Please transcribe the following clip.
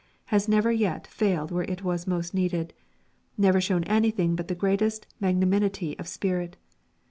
has never yet failed where it was most needed, never shown anything but the greatest magnanimity of spirit.